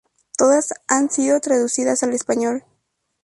Todas han sido traducidas al español.